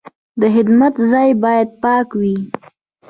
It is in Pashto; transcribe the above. د خدمت ځای باید پاک وي.